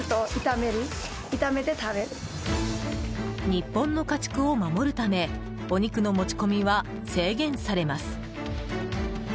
日本の家畜を守るためお肉の持ち込みは制限されます。